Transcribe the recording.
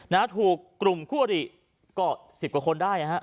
นะฮะถูกกลุ่มคู่อริก็สิบกว่าคนได้นะฮะ